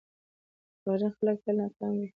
• دروغجن خلک تل ناکام وي.